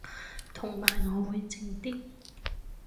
同埋我會靜啲